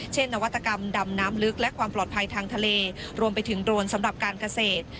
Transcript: นวัตกรรมดำน้ำลึกและความปลอดภัยทางทะเลรวมไปถึงโดรนสำหรับการเกษตร